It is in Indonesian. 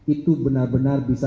itu benar benar bisa